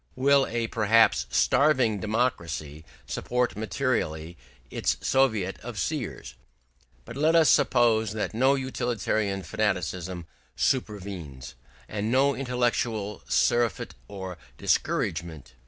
Will a perhaps starving democracy support materially its Soviet of seers? But let us suppose that no utilitarian fanaticism supervenes, and no intellectual surfeit or discouragement.